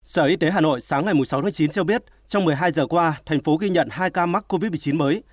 sở y tế hà nội sáng ngày sáu tháng chín cho biết trong một mươi hai giờ qua thành phố ghi nhận hai ca mắc covid một mươi chín mới